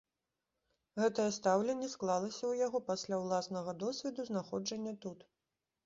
Гэтае стаўленне склалася ў яго пасля ўласнага досведу знаходжання тут.